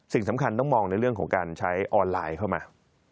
สิ่งสำคัญต้องมองในเรื่องของการใช้ออนไลน์เข้ามา